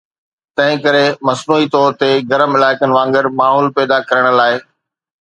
تنهن ڪري، مصنوعي طور تي گرم علائقن وانگر ماحول پيدا ڪرڻ لاء